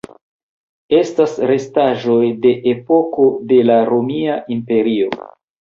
Estas restaĵoj de epoko de la Romia Imperio.